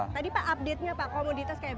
tadi pak update nya pak komoditas kayak apa